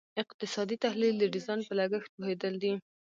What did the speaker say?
اقتصادي تحلیل د ډیزاین په لګښت پوهیدل دي.